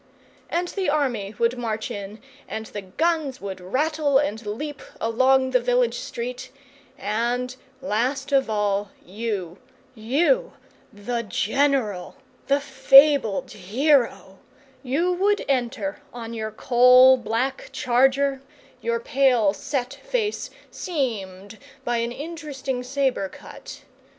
And the army would march in, and the guns would rattle and leap along the village street, and, last of all, you you, the General, the fabled hero you would enter, on your coal black charger, your pale set face seamed by an interesting sabre cut.